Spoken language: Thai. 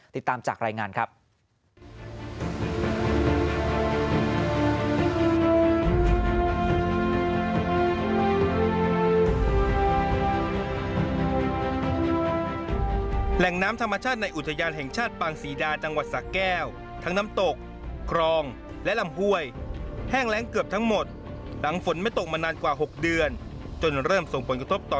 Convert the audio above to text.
ติดตามจากรายงานครับ